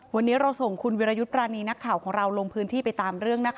วันนี้เราส่งคุณวิรยุทธ์ปรานีนักข่าวของเราลงพื้นที่ไปตามเรื่องนะคะ